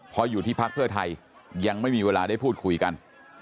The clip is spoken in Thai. พออยู่ที่พักเพื่อไทยยังไม่มีเวลาได้พูดคุยกัน